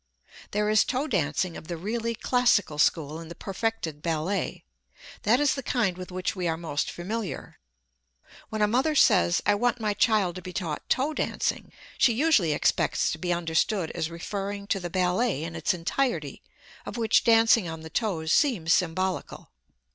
There is toe dancing of the really classical school in the perfected ballet. That is the kind with which we are most familiar. When a mother says, "I want my child to be taught toe dancing," she usually expects to be understood as referring to the ballet in its entirety, of which dancing on the toes seems symbolical.